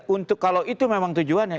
untuk kalau itu memang tujuannya